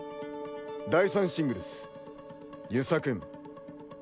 第３シングルス遊佐君。